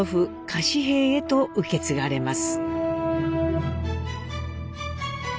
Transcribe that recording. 柏平へと受け継がれます。